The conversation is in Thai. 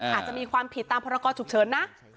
อาจจะมีความผิดตามพรกรฉุกเฉินนะ